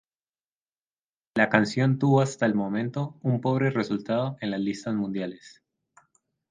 La canción tuvo hasta el momento un pobre resultado en las listas mundiales.